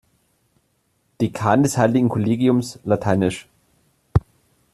Dekan des Heiligen Kollegiums, lat.